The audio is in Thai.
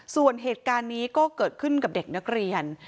ส่วนเหตุการณ์นี้ก็เกิดขึ้นกับเด็กนักเรียน